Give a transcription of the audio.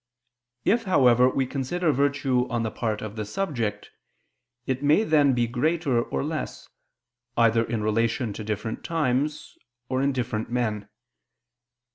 If, however, we consider virtue on the part of the subject, it may then be greater or less, either in relation to different times, or in different men.